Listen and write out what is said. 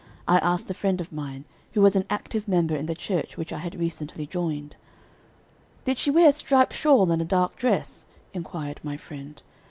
I asked a friend of mine who was an active member in the church which I had recently joined. "Did she wear a striped shawl and a dark dress?" inquired my friend.